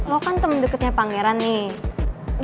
lo kan temen deketnya pangeran nih